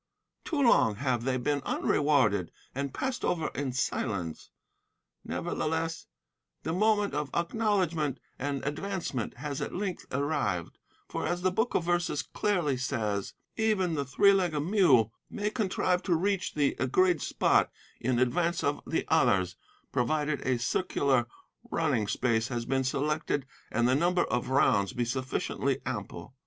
Too long have they been unrewarded and passed over in silence. Nevertheless, the moment of acknowledgement and advancement has at length arrived; for, as the Book of Verses clearly says, "Even the three legged mule may contrive to reach the agreed spot in advance of the others, provided a circular running space has been selected and the number of rounds be sufficiently ample."